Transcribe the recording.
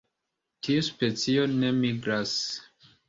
Tiu specio ne migras.